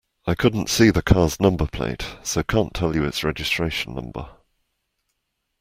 I couldn't see the car's number plate, so can't tell you its registration number